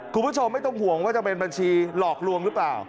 คุณผู้ชมไม่ต้องห่วงว่าจะเป็นบัญชีหลอกลวงหรือเปล่า